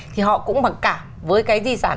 thì họ cũng bằng cảm với cái di sản